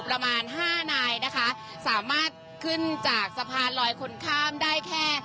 ประมาณห้านายนะคะสามารถขึ้นจากสะพานลอยคนข้ามได้แค่